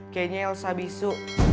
kayaknya elsa bisu